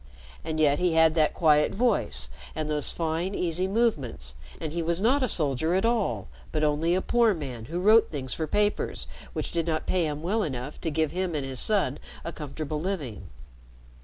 And yet he had that quiet voice and those fine, easy movements, and he was not a soldier at all, but only a poor man who wrote things for papers which did not pay him well enough to give him and his son a comfortable living.